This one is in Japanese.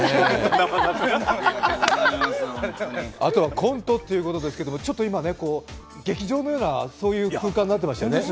あとコントということですけど、ちょっと今、劇場のような空間になってましたよね。